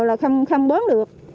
là không bớn được